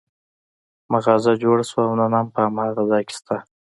مغازه جوړه شوه او نن هم په هماغه ځای کې شته.